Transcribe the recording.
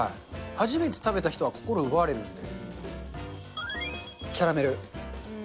初めて食べた人は心を奪われるんで。